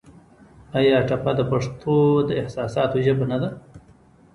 آیا ټپه د پښتو د احساساتو ژبه نه ده؟